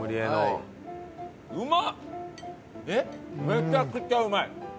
めちゃくちゃうまい！